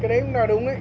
cái đấy cũng là đúng đấy